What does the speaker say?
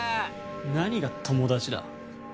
何が「友達」だ。